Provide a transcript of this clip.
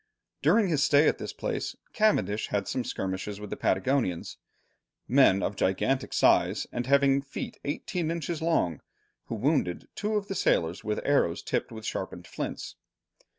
During his stay at this place Cavendish had some skirmishes with the Patagonians, "men of gigantic size, and having feet eighteen inches long" who wounded two of the sailors with arrows tipped with sharpened flints.